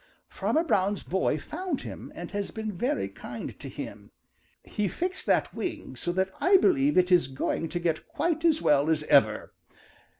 Farmer Brown's boy found him and has been very kind to him. He fixed that wing so that I believe it is going to get quite as well as ever.